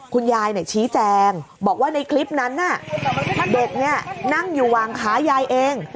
คุณยายชี้แจงบอกว่าในคลิปนั้นน่ะเด็กนั่งอยู่วางขายายเอง